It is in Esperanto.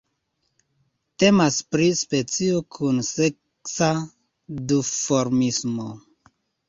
Temas pri specio kun seksa duformismo.